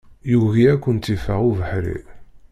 Yugi ad kent-iffeɣ ubeḥri.